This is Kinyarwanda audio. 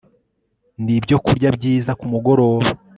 ni ibyokurya byiza ku mugoroba